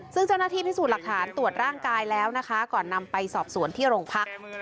ซึ่งเจ้าหน้าที่พิสูจน์หลักฐานตรวจร่างกายแล้วนะคะก่อนนำไปสอบสวนที่โรงพัก